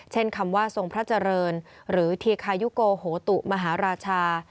คำว่าทรงพระเจริญหรือเทียคายุโกโหตุมหาราชา